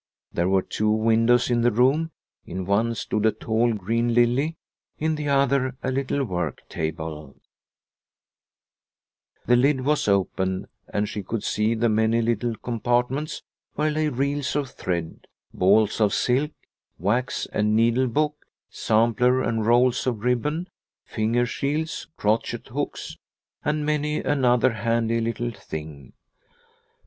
There were two windows in the room ; in one stood a tall green lily, in the other a little work table. 194 Liliecrona's Home The lid was open, and she could see the many little compartments where lay reels of thread, balls of silk, wax and needle book, sampler and rolls of ribbon, finger shields, crochet hooks, and many another handy little thing.